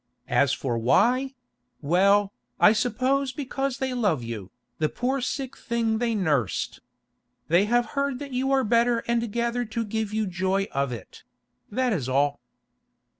As for why—well, I suppose because they love you, the poor sick thing they nursed. They have heard that you are better and gather to give you joy of it; that is all."